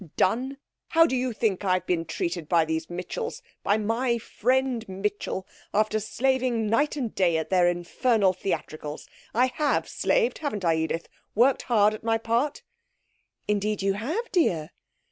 'Done! How do you think I've been treated by these Mitchells by my friend Mitchell after slaving night and day at their infernal theatricals? I have slaved, haven't I, Edith? Worked hard at my part?' 'Indeed you have, dear.'